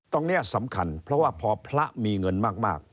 ตรงนี้สำคัญเพราะว่าพอพระมีเงินมาก